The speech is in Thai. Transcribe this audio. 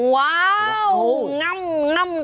ว้าวง่ำ